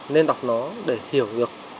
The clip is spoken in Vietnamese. nên đọc nó để hiểu được